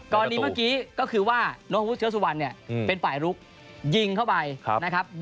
ก่อนนี้เมื่อกี้ก็คือว่านกฮะวุฒิเสื้อสุวรรณเป็นฝ่ายลุกยิงเข้าไป